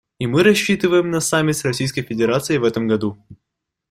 И мы рассчитываем на саммит с Российской Федерацией в этом году.